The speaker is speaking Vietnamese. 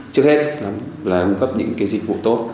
trước hết là đồng cấp những dịch vụ tốt